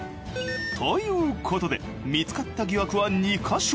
ということで見つかった疑惑は２か所。